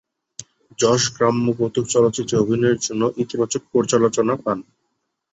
যশ গ্রাম্য কৌতুক চলচ্চিত্রে অভিনয়ের জন্য ইতিবাচক পর্যালোচনা পান।